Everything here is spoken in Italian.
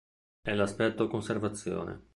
È l'aspetto "conservazione".